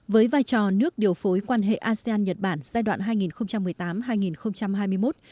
với vai trò nước điều phối quan hệ asean nhật bản giai đoạn hai nghìn một mươi tám hai nghìn hai mươi một